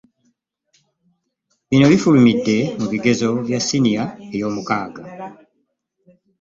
Bino bifulumidde mu bigezo bya siniya ey'omukaaga.